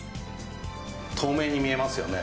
透明に見えますよね？